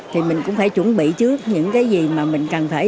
thì mình cũng phải chuẩn bị trước những cái gì mà mình cần phải